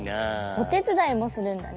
おてつだいもするんだね。